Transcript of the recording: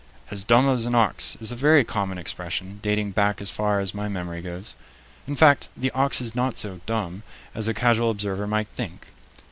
"As dumb as an ox" is a very common expression, dating back as far as my memory goes. In fact, the ox is not so "dumb" as a casual observer might think.